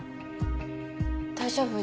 大丈夫？